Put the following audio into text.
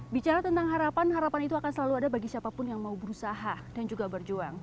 bicara tentang harapan harapan itu akan selalu ada bagi siapapun yang mau berusaha dan juga berjuang